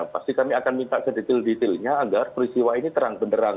pasti kami akan minta sedetil detailnya agar peristiwa ini terang benderang